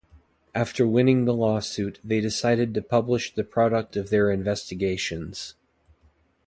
After winning the lawsuit they decided to publish the product of their investigations.